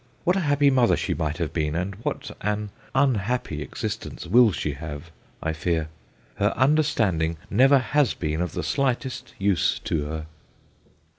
What a happy mother she might have been, and what an unhappy existence will she have, I fear 1 Her understanding never has been of the slightest use to her.'